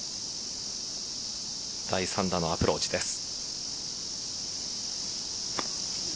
第３打のアプローチです。